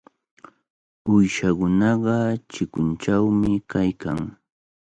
Uyshakunaqa chikunchawmi kaykan.